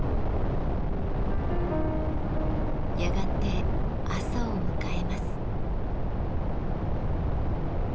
やがて朝を迎えます。